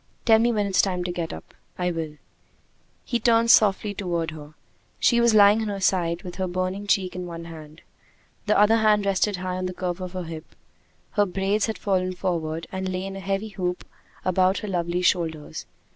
"Tell me when it's time to get up." "I will." He turned softly toward her. She was lying on her side, with her burning cheek in one hand. The other hand rested high on the curve of her hip. Her braids had fallen forward, and lay in a heavy loop about her lovely shoulders.